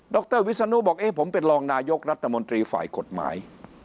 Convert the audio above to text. รวิศนุบอกผมเป็นรองนายกรัฐมนตรีฝ่ายกฎหมาย